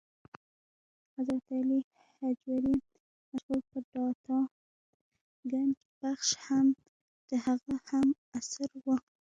حضرت علي هجویري مشهور په داتا ګنج بخش هم د هغه هم عصر و.